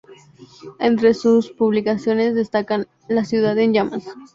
Entre sus publicaciones destacan "La ciudad en llamas.